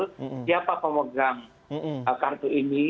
siapa pemegang kartu ini